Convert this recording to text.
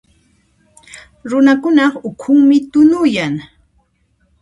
Runakunaq ukhunmi tunuyan.